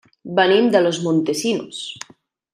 Venim de Los Montesinos.